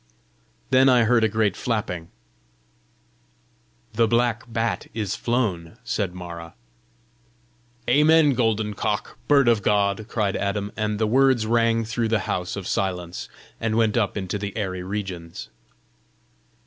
Then I heard a great flapping. "The black bat is flown!" said Mara. "Amen, golden cock, bird of God!" cried Adam, and the words rang through the house of silence, and went up into the airy regions.